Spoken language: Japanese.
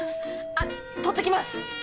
あっ取って来ます。